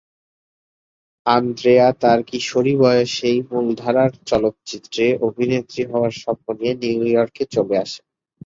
Andrea তার কিশোরী বয়সেই মূলধারার চলচ্চিত্রে অভিনেত্রী হওয়ার স্বপ্ন নিয়ে নিউইয়র্কে চলে আসে।